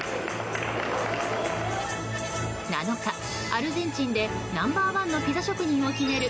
７日、アルゼンチンでナンバー１のピザ職人を決める